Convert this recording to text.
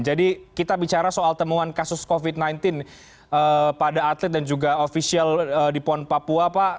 jadi kita bicara soal temuan kasus covid sembilan belas pada atlet dan juga ofisial di pon papua pak